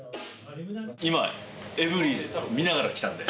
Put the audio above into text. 今、エブリィ見ながら来たんで。